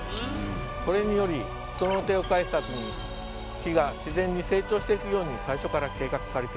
これにより人の手を介さずに木が自然に成長していくように最初から計画されていたんです。